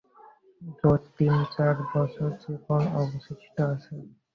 জোর তিন-চার বছর জীবন অবশিষ্ট আছে।